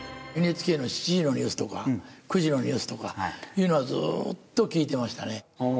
ＮＨＫの７時のニュースとか９時のニュースとかというのは、ずっと聞いてましたね。